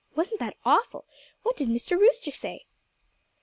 "Wasn't that awful? What did Mr. Rooster say?"